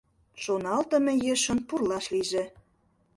Шоналтыме ешын пурлаш лийже.